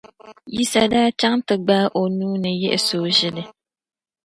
Yisa daa chaŋ ti gbaagi o nuu ni yiɣis’ o ʒili.